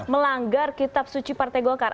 melanggar kitab suci partai golkar